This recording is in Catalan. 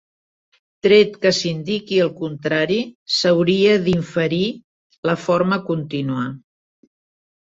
Tret que s'indiqui el contrari, s'hauria d'inferir la forma contínua.